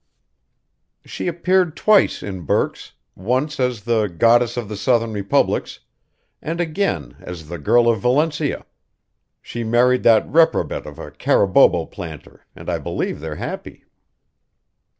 "She appeared twice in Burke's, once as the 'Goddess of the Southern Republics' and again as 'The Girl of Valencia.' She married that reprobate of a Carabobo planter, and I believe they're happy."